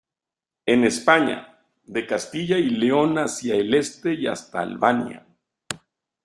En España, de Castilla y León hacia el este y hasta Albania.